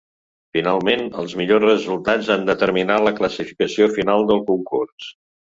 Finalment, els millors resultats han determinat la classificació final del Concurs.